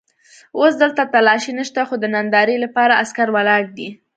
اوس دلته تالاشۍ نشته خو د نندارې لپاره عسکر ولاړ دي.